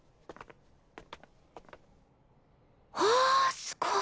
わあすごい！